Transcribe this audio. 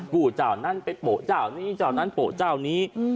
กู้เจ้านั้นไปโปะเจ้านี้เจ้านั้นโปะเจ้านี้